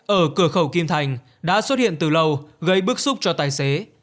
ở cửa khẩu kim thành đã xuất hiện từ lâu gây bức xúc cho tài xế